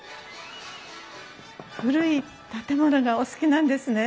古い建物がお好きなんですね？